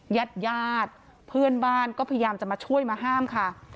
ญาติญาติเพื่อนบ้านก็พยายามจะมาช่วยมาห้ามค่ะ